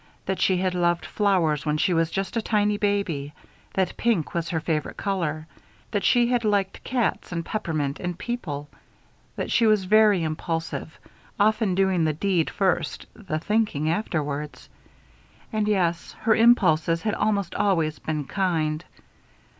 That she had loved flowers when she was just a tiny baby, that pink was her favorite color. That she had liked cats and peppermint and people. That she was very impulsive, often doing the deed first, the thinking afterwards. And yes, her impulses had almost always been kind.